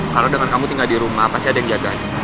kalau dengan kamu tinggal di rumah pasti ada yang jagain